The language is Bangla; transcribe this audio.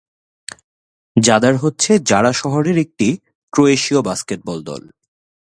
জাদার হচ্ছে জারা শহরের একটি ক্রোয়েশীয় বাস্কেটবল দল।